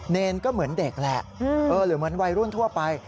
เนรก็เหมือนเด็กแหละหรือเหมือนวัยรุ่นทั่วไป